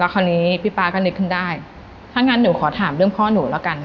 คราวนี้พี่ป๊าก็นึกขึ้นได้ถ้างั้นหนูขอถามเรื่องพ่อหนูแล้วกัน